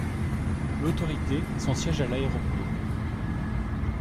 L'autorité à son siège à l'aéroport.